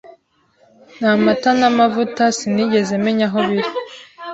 Namata namavuta sinigeze menya aho biri